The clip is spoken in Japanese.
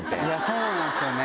そうなんですよね！